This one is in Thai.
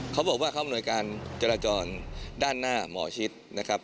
เขาบอกว่าเขาอำนวยการจราจรด้านหน้าหมอชิดนะครับ